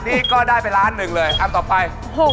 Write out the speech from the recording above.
นี่ก็ได้ไปล้านหนึ่งเลยอันต่อไป